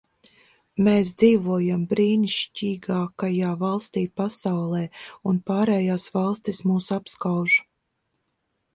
Mēs dzīvojam brīnišķīgākajā valstī pasaulē, un pārējās valstis mūs apskauž.